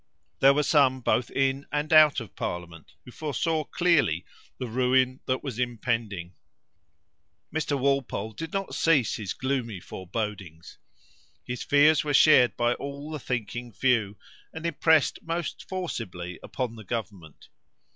There were some both in and out of parliament who foresaw clearly the ruin that was impending. Mr. Walpole did not cease his gloomy forebodings. His fears were shared by all the thinking few, and impressed most forcibly upon the government.